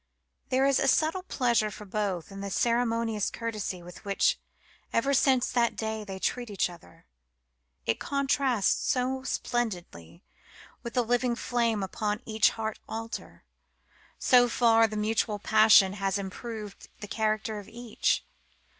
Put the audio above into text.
There is a subtle pleasure for both in the ceremonious courtesy with which ever since that day they treat each other. It contrasts so splendidly with the living flame upon each heart altar. So far the mutual passion has improved the character of each.